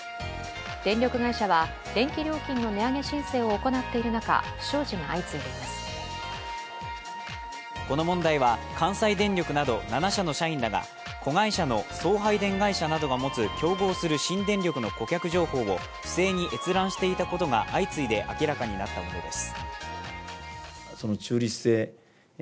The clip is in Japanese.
電力会社は電気料金の値上げ申請を行っている中、不祥事が相次いでこの問題は関西電力など７社の社員が子会社の送配電会社などが持つ新電力会社の顧客情報を不正に閲覧していたことが相次いで明らかになったものです。